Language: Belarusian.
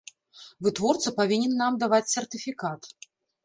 Вытворца павінен нам даваць сертыфікат.